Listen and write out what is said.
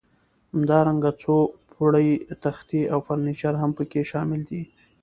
همدارنګه څو پوړه تختې او فرنیچر هم پکې شامل دي.